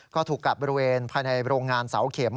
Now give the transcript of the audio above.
ก็ถูกกัดบริเวณภายในโรงงานเสาเข็ม